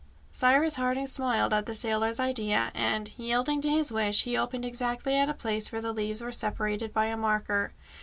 Cyrus Harding smiled at the sailor's idea, and, yielding to his wish, he opened exactly at a place where the leaves were separated by a marker.